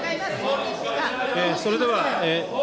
それでは。